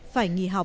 phải nghỉ học